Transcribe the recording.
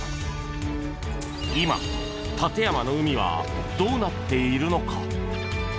今、館山の海はどうなっているのか？